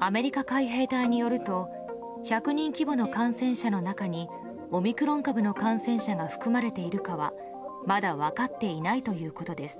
アメリカ海兵隊によると１００人規模の感染者の中にオミクロン株の感染者が含まれているかはまだ分かっていないということです。